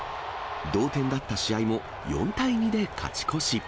同点だった試合も４対２で勝ち越し。